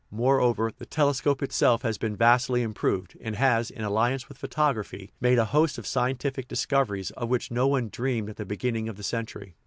Moreover, the telescope itself has been vastly improved, and has, in alliance with photography, made a host of scientific discoveries of which no one dreamed at the beginning of the century.